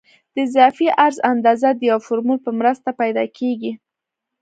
د اضافي عرض اندازه د یو فورمول په مرسته پیدا کیږي